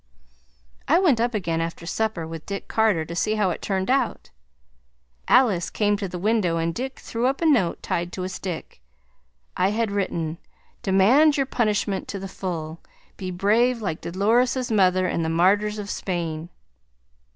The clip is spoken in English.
I went up again after supper with Dick Carter to see how it turned out. Alice came to the window and Dick threw up a note tied to a stick. I had written: "DEMAND YOUR PUNISHMENT TO THE FULL. BE BRAVE LIKE DOLORES' MOTHER IN THE Martyrs of Spain."